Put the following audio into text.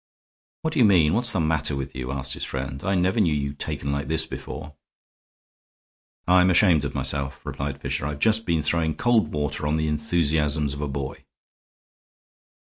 "What do you mean? What's the matter with you?" asked his friend. "I never knew you taken like this before." "I'm ashamed of myself," replied Fisher. "I've just been throwing cold water on the enthusiasms of a boy."